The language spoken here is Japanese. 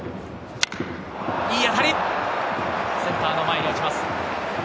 いい当たり、センターの前に落ちます。